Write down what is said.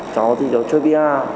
cháu thì cháu chơi vr